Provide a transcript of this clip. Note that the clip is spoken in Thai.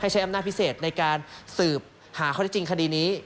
ให้ใช้อำนาจแบบพิเศษในการสืบหาความรู้จริงขดีนี้